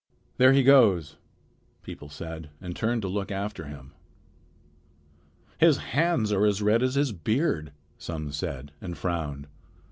"There he goes," people said, and turned to look after him. "His hands are as red as his beard," some said, and frowned.